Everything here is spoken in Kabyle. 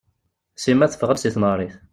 Sima teffeɣ-d seg tneɣrit.